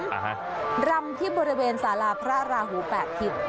อ๋อค่ะรำที่บริเบียนสลาพพระาราหุ๗ทิศ